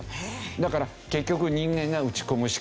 だから結局人間が打ち込むしかない。